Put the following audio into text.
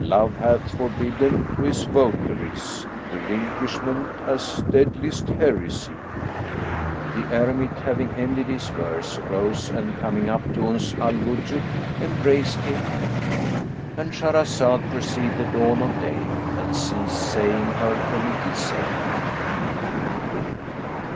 Love hath forbidden to his votaries * Relinquishment as deadliest heresy." The eremite, having ended his verse, rose and, coming up to Uns al Wujud, embraced him,—And Shahrazad perceived the dawn of day and ceased saying her permitted say.